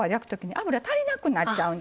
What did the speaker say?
油足りなくなっちゃうんです。